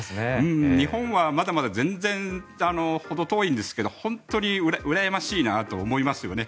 日本は、まだまだ全然ほど遠いんですけど本当にうらやましいなと思いますよね。